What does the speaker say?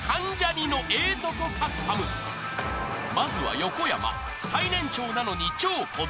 ［まずは横山最年長なのに超子供］